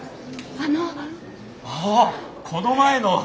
ああこの前の！